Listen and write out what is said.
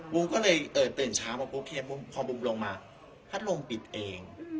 บุมก็เลยตื่นเช้ามาปุ๊บทีนี้พอบุมลงมาพัดลมปิดเอง